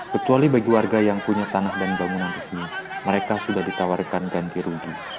kecuali bagi warga yang punya tanah dan bangunan resmi mereka sudah ditawarkan ganti rugi